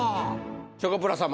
チョコプラ様